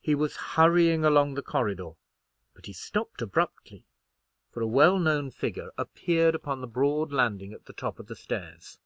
He was hurrying along the corridor, but he stopped abruptly, for a well known figure appeared upon the broad landing at the top of the stairs.